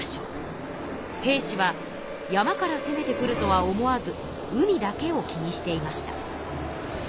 平氏は山からせめてくるとは思わず海だけを気にしていました。